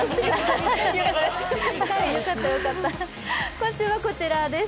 今週はこちらです。